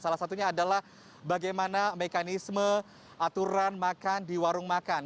salah satunya adalah bagaimana mekanisme aturan makan di warung makan